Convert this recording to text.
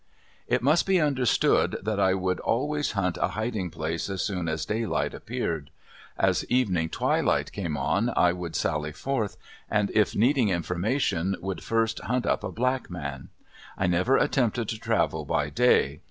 It must be understood that I would always hunt a hiding place as soon as daylight appeared. As evening twilight came on I would sally forth, and if needing information, would first hunt up a black man. I never attempted to travel by day.